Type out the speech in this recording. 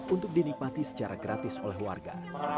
untuk dinikmati secara gratis oleh warga